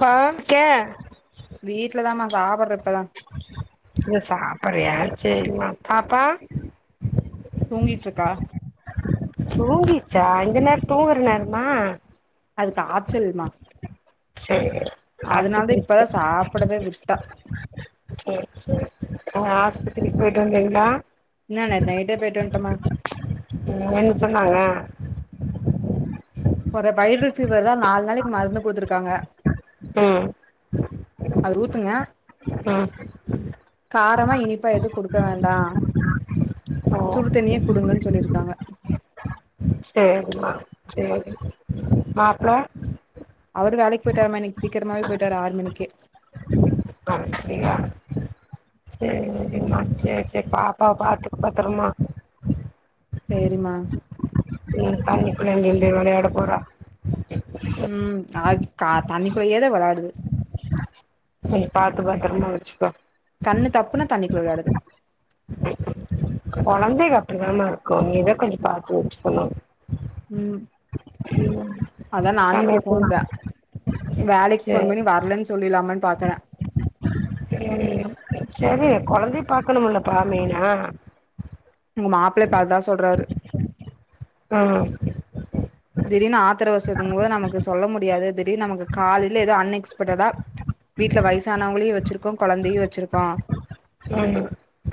பா கெ சாபர்ற இப்ப தா என்ன சாப்பறையா செரிமா பாப்பா தூங்கிட்ருக்கா தூங்கிட்சா இந்த நேர் தூங்குற நேரமா அது காச்சல்மா செ அதனால தா இப்பதா சாப்டவே விட்டா உங்க ஆஸ்பத்திரிக் போய்ட்டு வந்திங்ளா முந்தானேத் நைட்டே போய்ட்டு வன்ட்டமா ம் என்ன சொன்னாங்க ஒரே வைரல்ஸ் ஃபீவர் தா நாள் நாளைக் மருந்து குடுத்துருக்காங்க ம் அது ஊத்துங்க ம் காரமா இனிப்பா எதும் குடுக்க வேண்டா ஓ சுடுதண்ணீயே குடுங்கன்னு சொல்லிப் இருக்காங்க செரிமா செரி மாப்ள அவரு வேலைக் போய்டார்மா இன்னிக் சீக்ரமாவே போய்ட்டாரு ஆறு மணிக்கே ஆ அப்டியா செ செரிமா செர் செர் பாப்பாவ பாத்து பத்தரமா செரிமா ன்னு தண்ணிக்குள்ள நின்டு விளையாட போற ம் ஆக் கா தண்ணிப்பிலயேத வெளா ஆடுது ம் பாத்து பாத்தரமா வச்சுக்கோ கண்ணு தப்புனா தண்ணிக்குள்ள வெளாடுது குழந்தைக அப்பிடிதாமா இருக்கு நீ இத கொஞ்சோ பாத்து வச்சிக்கணு ம் அதா நானே இப்ப போன்த சமையல் வேலைக் ஃபோன் சேரி பண்ணி வரலன் சொல்லிலா தரா சேரி கொழந்தை பாகக்கணுல்லப்பா மெய்னா உங்க மாப்பிள்ளப்பாத்தா சொல்றாரு ம் திடீர்னு ஆத்திர அவசரத்துங்கும் போது நமக்கு சொல்ல த்தா வீட்டுல வயசானவங்களையு வச்சிருக்கோ குழந்தையு வச்சிருக்கோ ம்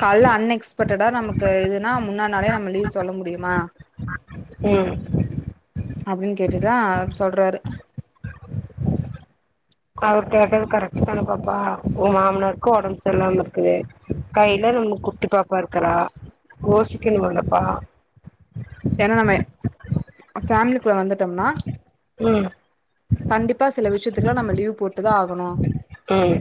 கால்ல அன்எக்ஸ்பெக்ட்டடா நமக்கு இதுனா முன்னா நாலே நம்ம லீவ் சொல்ல முடியுமா ம் அப்பிடின்னு கேட்டுதா சொல்றாரு க அவர் கேட்டது கரெக்ட் தான பாப்பா உ மாமனருக்கு ஒடம்பு செரில்லாம இருக்குது கையில நம்ம குட்டி பா ப்பார்க்கறா கோசிக்கணுமல்லப்பா ஏன்னா நம்ம ஃபேமிலிக்குள்ள வந்துட்டோன்னா ம் வ் போட்டுதா ஆகணு ம்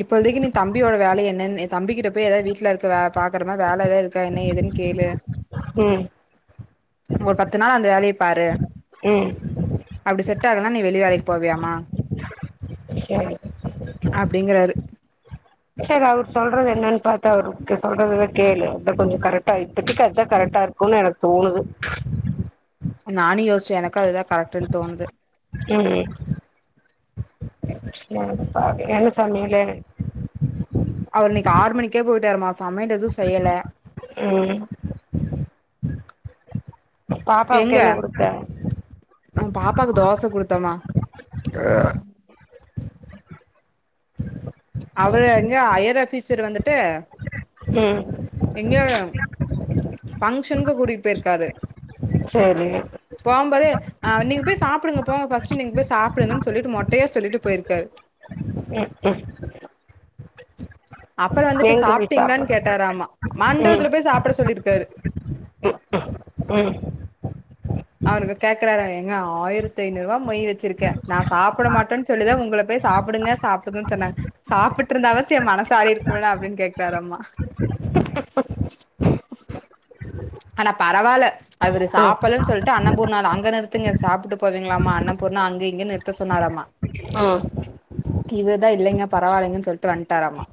இப்பழுதிக்கு நீ தம்பியோட வேல என்னன்ன தம்பிக்கிட்ட போய் எதாது வீட்ல இருக்க வே பாக்கறமா வேல ஏதா இருக் த்த என்ன எதுன்னு கேளு ம் ஒரு பத்து நாள் அந்த வேலைய பாரு ம் ட்டகனா நீ வெளி வேலைக்கு போவியாமா வி சரி அப்பிடிங்கறாரு சேரி அவர் சொல்றது என்னன் பாத்தா அவருக்கு சொல்றததா கேளு அத கொஞ்சோ கரெக்டா இப்பிதிக்கு அதா கரெக்டா இருக்குன்னு எனக்கு தோணுது நானு யோசிச்சே எனக்கு அதுதா கரெக்ட்ன் தோணுது ம் [unintelligible] என்ன சமைலு அவர் இன்னிக்கு ஆறு மணிக்கே போயிட்டருமா சமைல் எது செய்யல ம் பாப்பாக்கு எங்க என்ன குடுத்த நம் பாப்பாக்கு தோச குடுத்தம்மா [unintelligible] அவரு எங்க ஹையரு ஆஃபீஸர் வந்துட் டு ம் எங்க ஃபங்ஷ் டின்க கூட்டிட் பேயிர்காரு செரி ஆ நீங்க போய் சாப்புடுங்க போங்க ஃபஸ்ட் நீங்க போய் சாப்டுங்கன்னு சொல்லிட்டு மொட்டைய சொல்லிட்டு போய்ருக்காரு க்கும் [unintelligible] அப்பற வந்துட்டு போய் சாப்டிங்ளான்னு சாப்புடு கேட்டாராமா ம் மண்டவத்துல போய் சாப்ட சொல்லிர்க் டரு ம் அவனுக்கு கேக்குறார அவுரு ஏங்க ஆயிரத்தைநூறு ரூவா மொய் வச்சிருக்க நா சாப்ட மாட்டனு சொல்லிதா உங்கள பேய் சாப்டுங்க சாப்டுங்கன்னு சொன்னாங் சாப்ட்டு இருந்தாவாச்சும் ஏ மனசு ஆறிருக்கும்ல அப்டின் கேக்குறாரம்மா ஆனா பரவால அவரு ம் சாப்பலன்னு சொல்ட்டு அண்ணபூர்ணால அங்க நிறுத்துங்க சாப்ட்டு போவீங்களாமா அண்ணபூர்ணா அங்க இங்கன்னு நிறுத்த சொன்னாராமா ம் இவருதா இல்லங்க பரவாலங்கன்னு சொல்ட்டு வன்டாராமா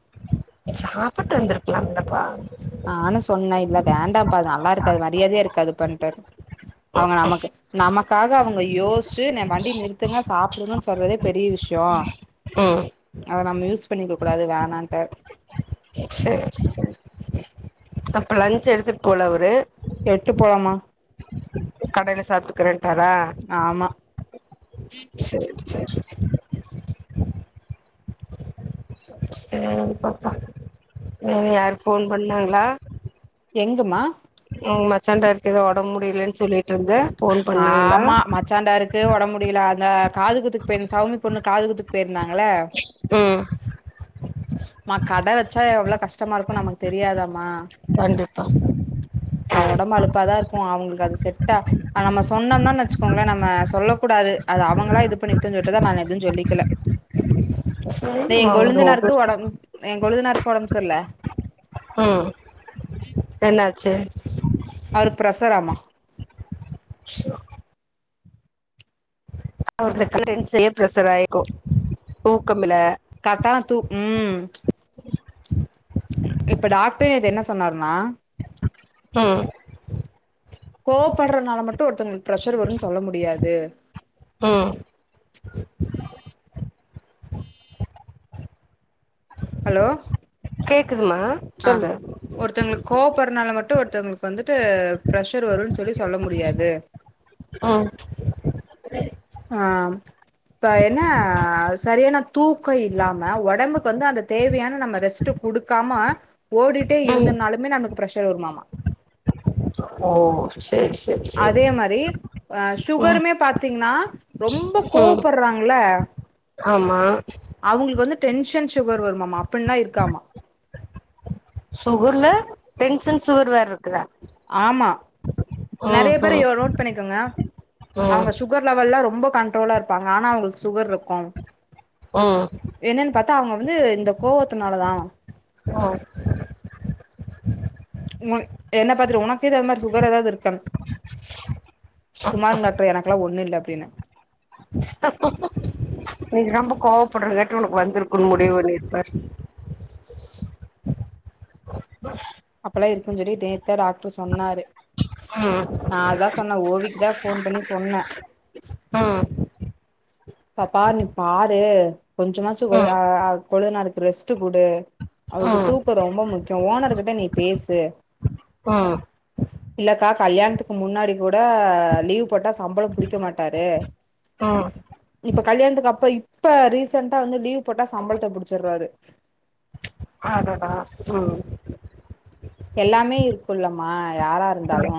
சாப்புட்டு வந்துருக்கலாம்லா பா வேண்டப் பா அது நல்லா இருக்காது மரியாதையா இருக்காது பன்டர் அவுங்க நமக்கு நமக்காக அவுங்க யோசிச்சு ந ம வண்டி நிறுத்துங்க சாப்டுங்கனு சொல்றதே பெரிய விஷ்யோ ம் அத நம்ம யூஸ் பண்ணிக்க கூடாது வேணான்டாரு [inaudible] அப்ப லஞ்ச் எடுத்துட்டு போல அவரு எட்டு போலமா [unintelligible] சாப்ட்டுக்கிரன் டரா ஆமா. செரி செரி [inaudible] செரி பாப்பா ம் யாரும் ஃபோன் பண்ணாங்ளா எங்கு மா ம் மச்சான்ட இருக்கு ஏதோ உடம் முடிலேன் சொல்லிட் ருந்த ஃபோன் பண்ணாங்ளா க்கு ஒடம் முடில அந்த காதுகுத்துக்கு பேன் சௌமி பொண்ணு காதுகுத்துக்கு பேய்ருந்தாங்கள்ல ம் மா கட வச்சா எவ்ளோ கஷ்டமா இருக்குனு நமக் தெரியாதாமா கண்டிப்பா கு அவுங்களுக்கு அது செட்டா அத நம்ம சொன்னொம்ன னச்சுக்கோங்களே நம்ம சொல்ல கூடாது அது அவங்களா இது பண்ணிக்கட்டு சொல்ட்டுதா நான்‌ எதுவு சொல்லிக்கல சேரி மா இந்த [unintelligible] படம் ஏங் கொழுந்தனாருக்கு ஒடம்பு செர்ல ம் என்னா ச்சு அவருக்கு ப்ரஸராமா அா அவனுக்கு [unintelligible] பிரஸராயிருக்கு தூக்கம் இல கர்டான தூ ம் இப்ப டாக்டரே நேத்து என்ன சொன்னாருனா ம் கோவப்பட்றனால மட்டு ஒருத்தங்களுக்கு ப்ரஷர் வருன் சொல்ல முடியாது ம் ஹலோ கேக்குதுமா ஆ சொல்லு த்தவுங்களுக்கு வந்துட்டு பிரஷர் வருன் சொல்லி சொல்ல முடியாது ஓ ஆ இப்ப என்ன சரியான தூக்க இல்லாம ஒடம்புக்கு வந்து அந்த தேவையான நம்ம ரெஸ்ட்டு குடுக்காம ஓடிட்டே ம் இருந்தனாலுமே நம்ளுக்கு ப்ரஷர் வருமாமா ஓ சேரி சேரி சேரி அதே மாரி அ ம் ஷுகருமே பாத்தீங்கனா ரொம்ப ம் கோவப்பர்றாங்ள ஆமா வந்து டென்ஷன் ஷுகர் வருமாமா அப்பின்லா இருக்காமா சுகர்ல டென்சன் சுகர் வேறருக்குதா ஆமா நெறைய பேர ம் நோட் பண்ணிக்கங்க ம் அவுங்க ஷுகர் லெவெல்லா ரொ ம்ப கன்ட்ரோலா இருப்பாங்க ஆனா அவுங்ளுக்கு சுகர் இருக்கு ம் தா அவுங்க வந்து இந்த கோவத்துனாலதா ம் உ என்ன பாத்துட்டு உனக்கு எதுவு அது மாரி சுகர் எதாவுது இருக்கான் சும்மா இருங்க டாக்டர் எனக்குலா ஒன்னு இல்ல அப்டின்ன நீ ரொம்ப கோவப்பட்றங்கன் ட்டு‌ உனக்கு வந்துருக்குன் முடிவு பண்ணிருப்பாரு ம் அப்பல்லா இருக்குன்னு சொல்லி நேத்தா நேத்தா டாக்டர் சொன்னாரு உ சொன்ன ஓவிக்குதா ஃபோன் பண்ணி சொன்னே ம் பாப்பா நீ பாரு கொஞ்சமாச்சு கொழு ம் கொழுதுனாருக்கு ரெஸ்ட்டு குடு அவருக்கு ம் தூக்கோ ரொம்ப முக்கியோ ஓனர் கிட்ட நீ பேசு உ இல்லக்கா கல்யாணத்துக்கு முன்னாடி கூட லீவ் போட்டா சம்பளோ புடிக்க மாட்டாரு ம் இப்ப கல்யாணத்துக்கு அப்ப இப்ப ரீசென்டா வந்து லீவ் போட்டா சம்பளத்த புடிச்சிர்றாரு உ எல்லாமே இருக்கும்லமா யாரா இருந்தாலு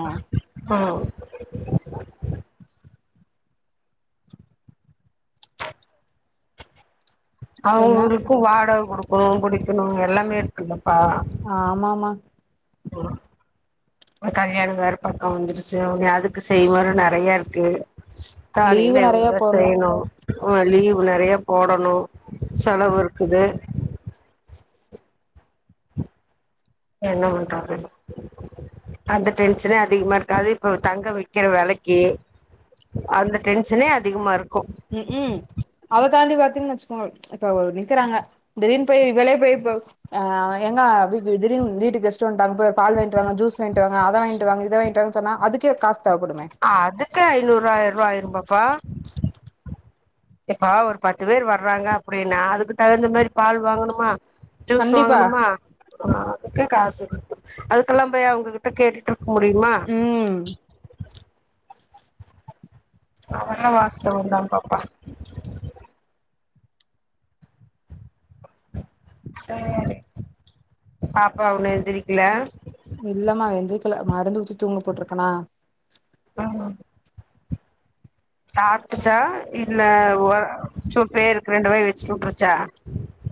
ம் என்ன அவருக்கு வாடகை கொடுக் உ குடிக்கணு எல்லாமே இருக்குல்லப்பா ஆ மா மா கல்யாணோ வேர பக்கோ வந்துருச்சு அ அதுக்கு செய்வாரு நறையா இருக்கு தாளில லீவு நெறைய இவங்கதா போடணு செய்னு ஆ லீவ் நறையா போட லோ செலவு இருக் குது என்ன பண்றாது அந்த டென்ஷனே அதிகமா இருக்கா அது இப்ப தங்க வைக்கிற வெலக்கி அந்த டென்ஷனே அதிகமா இருக்கு உ உ அத தாண்டி பாத்தீங்கன்னு வச்சுக்கோ இப்ப நிக்கிறாங்க திடீர்னு போய் வெலிய போய் இப்ப அ ஏங்கா வீ திடீனு வீட்டுக்கு கெஸ்ட் வன்ட்டாங்க போ பால வாங்கிட்டு வாங்க ஜூஸ் வாங்கிட்டு வாங்க அத வாங்கிட்டு வாங்க இத வாங்கிட்டு வாங்க ன்னா அதுக்கே காஷ் அதுக்கு ஐந்நூறுஆய்யிரோ ரூபா ஆயிருபாப்பா இப்பா ஒரு பத்து பேர் வர்றாங்க அப்டின்னா அதுக்கு தகுந்த மாரி பால் வாங்கணுமா ஜூஸ் கண்டிப்பா வாங்கனுமா அதுக்கு காசு அதுக்கெல்லா போய் அவங்ககிட்ட கேட்டுட்டு க முடியுமா ம் அதல்லா வாஸ்தவ தா பாப்பா சரி பாப்பா உன்ன எந்திரிக்கல இல்லம்மா ஏந்த்ரிக்கல மருந்து ஊத்தி தூங்க போட்டிருக்கனா ஆ சாப்புட்டுச்சா இல்ல ஒரு சும் பேருக்கு ரெண்டு வாய் வெச்சுட்டு உட்ருச்சா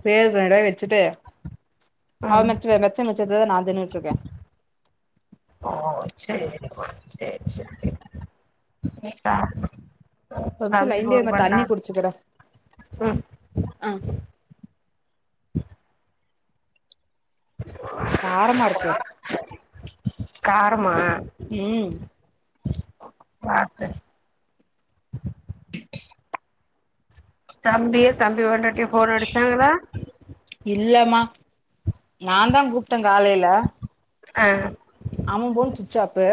பேருக்கு ரெண்டு வாய் வெச்சுட்டு அவ ம் மெச்ச மெச்ச மிச்சத்தைதா நா தின்னுட்ருக்கே சேரிமா சேரி சேரி சேரி ஆ ஒரு நிமிஷோ லைன்ல நா தண்ணி குடிச்சுக்கிற ம் ஆ காரமா இருக்கு [inaudible] காரமா ம் பாத்து தம்பியு தம்பி பொண்டாட்டியு ஃபோன் அடுச்சாங்களா இல்லம்மா நாந்தா கூப்ட்டங் காலையில ஆ ஆவம் ஃபோன் சுச்சாப்பு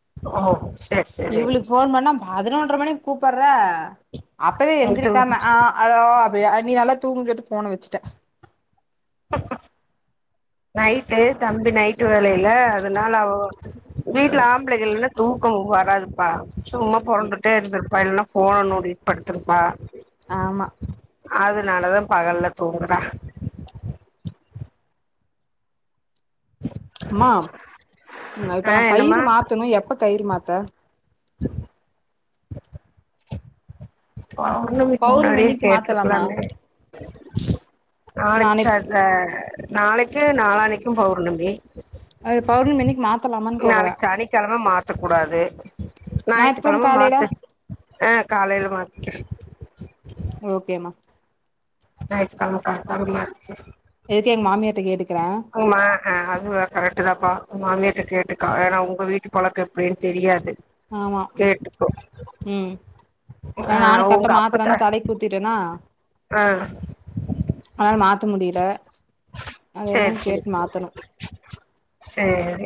ஓ சேரி சேரி இவளுக்கு ஃபோன் பண்ணா பதினொன்ற மணிக்கு கூப் ப்பறா அப்பவே இது எந்திருக்காம ஆ அலோ அப் அப்புடியா நீ நல்லா தூங்குஞ் சொல்லிட்டு ஃபோன வெச்சுட்ட [unintelligible] நைட்டு தம்பி நைட்டு வேலையில அதனால அவ போ வீட்ல ஆம்பளைக இல்லனா தூக்கோ வர் வராதுப்பா சும்மா பொறண்டுட்டே இருந்துருப்பா இல்னா ஃபோன நோண்டிட்டு படுத்துருப்பா ஆமா அதுனாலதா பகல்ல தூங்குறா மா இப்ப ஆ நா என்னம்மா கயிறு மாத்தணு எப்ப கயிறு மாத் த்த [inaudible] [unintelligible] பெளர்ணமிக்கு பௌர்ணமி முன்னாடியே அன்னைக்கு மாத்தலாமா கேட்ருக்குலாமுல நானே நாளைக்கு அத நாளைக்கு நாலாண் இன்னைக்கும் பெளர்ணமி அது பௌர்ணமி அன்னைக்கு மாத் நாளைக்கு சனிக்கெழம மாத்தக் கூடாது ஞாயித்துக்கெழம மாத்து ஆ காலையில மாத்து ஓகேம்மா ஞாயித்துகெழம காத்தால மாத்திக்க எதுக்கு எங்க மாமியார்ட கேட்டு ஆமா அ அதுவ கரெக்ட்டு தாப்பா உம் மாமியாருட்ட கேட்டுக்கா ஏன்னா உங்க வீட்டு பழக்கோ எப்டின் தெரியாது ஆமா கேட்டுக்கோ ம் ஏனா‌ ஆ நானு கட்ட உங்க அப்பத்தா மாத்துறன்னா தலைக் ஊத்திட்டேனா ஆ அனால மாத்த முடியில அது சேரி என்னனு சேரி கேட்டு சேரி மாத்தணு சேரி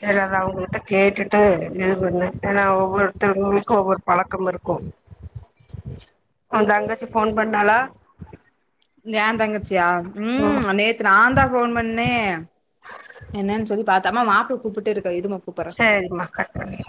செரி அத அவுங்ககிட்ட கேட்டுட்டு இது பண்ணு ஏனா ஒவ்வொரு தவுங்களுக்கு ஒவ்வொரு பழக்கம் இருக்கு ஒந் தங்கச்சி ஃபோன் பண்ணாளா? ஏந்தங்கச்சியா ம் நேத்து நாந்தா ஃபோன் பண்ணே என்னன் சொல்லி பா த்தமா மாப்புள கூப்புட்டே இருக்கா இதுமா சேரிமா கட் பண்ணிரு